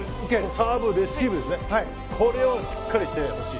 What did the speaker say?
サーブレシーブをしっかりしてほしい。